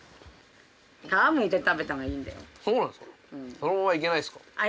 そのままいけないですか？